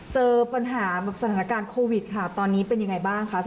เจอปัญหาสถานการณ์โควิดค่ะตอนนี้เป็นยังไงบ้างคะ